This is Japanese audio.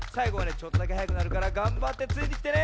ちょっとだけはやくなるからがんばってついてきてね。